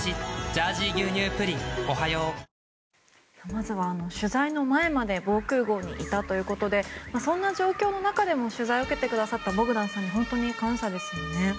まずは取材の前まで防空壕にいたということでそんな状況の中でも取材を受けてくださったボグダンさんに本当に感謝ですよね。